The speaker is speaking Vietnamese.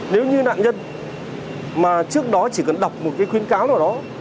nếu như nạn nhân mà trước đó chỉ cần đọc một cái khuyến cáo nào đó